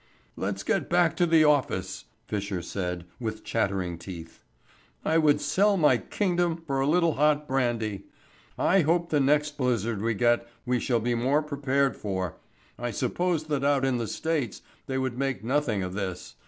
"Let's get back to the office," Fisher said, with chattering teeth. "I would sell my kingdom for a little hot brandy. I hope the next blizzard we get we shall be more prepared for. I suppose that out in the States they would make nothing of this.